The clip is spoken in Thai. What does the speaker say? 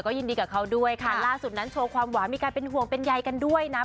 ยินดีกับเขาด้วยค่ะล่าสุดนั้นโชว์ความหวานมีการเป็นห่วงเป็นใยกันด้วยนะ